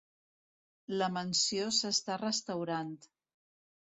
La mansió s'està restaurant.